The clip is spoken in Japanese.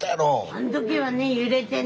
あん時はね揺れてね。